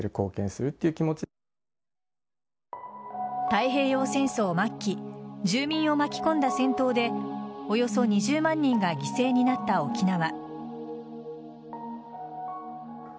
太平洋戦争末期住民を巻き込んだ戦闘でおよそ２０万人が犠牲になった沖縄。